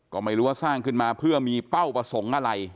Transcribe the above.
ก็ไม่รู้ว่าสร้างขึ้นมาเพื่อมีเป้าประสงค์อะไร